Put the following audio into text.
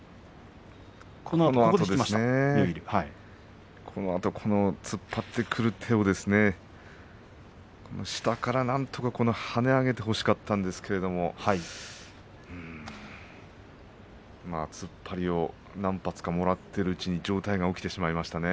はい、このあとですね。突っ張ってくる手を下からなんとか跳ね上げてほしかったんですけれどもうーん突っ張りを何発かもらっているうちに上体が起きてしまいました。